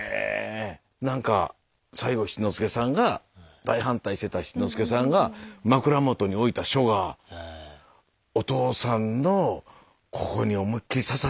何か最後七之助さんが大反対してた七之助さんが枕元に置いた書がお父さんのここに思いっきり刺さってんのかなと思って。